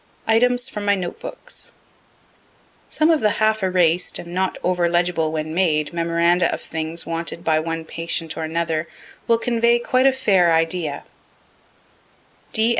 ITEMS FROM MY NOTE BOOKS Some of the half eras'd, and not over legible when made, memoranda of things wanted by one patient or another, will convey quite a fair idea.